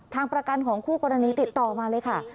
ทางประกันของคู่กรณีติดต่อมาเลยค่ะ